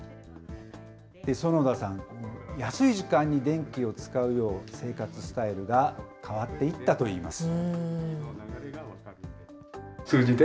薗田さん、安い時間に電気を使うよう、生活スタイルが変わっていったといいます。